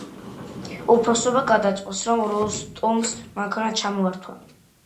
უფროსობა გადაწყვეტს, რომ როსტომს მანქანა ჩამოართვან.